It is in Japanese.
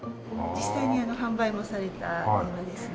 実際に販売もされたものですね。